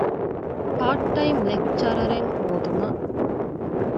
ޕާޓް ޓައިމް ލެކްޗަރަރެއް ހޯދުމަށް